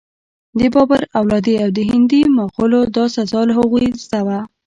د بابر اولادې او هندي مغولو دا سزا له هغوی زده وه.